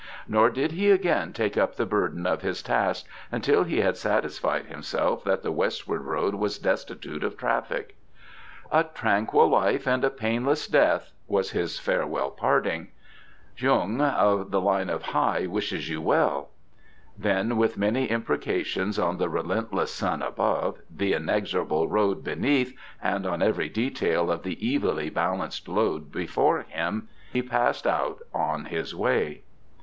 Nor did he again take up the burden of his task until he had satisfied himself that the westward road was destitute of traffic. "A tranquil life and a painless death," was his farewell parting. "Jung, of the line of Hai, wishes you well." Then, with many imprecations on the relentless sun above, the inexorable road beneath, and on every detail of the evilly balanced load before him, he passed out on his way.